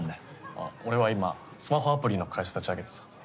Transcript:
あっ俺は今スマホアプリの会社立ち上げてさ。